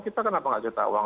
kita kenapa nggak juta uang